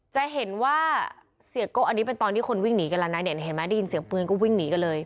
จะเห็นว่าเสียโก้อันนี้เป็นตอนที่คนวิ่งหนีกันแล้วนะเนี่ยเห็นไหมได้ยินเสียงปืนก็วิ่งหนีกันเลย